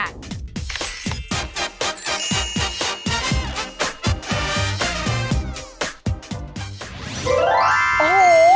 โอ้โห